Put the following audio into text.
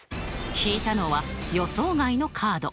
引いたのは予想外のカード。